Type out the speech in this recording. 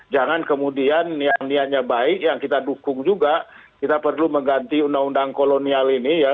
jangan kemudian yang niatnya baik yang kita dukung juga kita perlu mengganti undang undang kolonial ini ya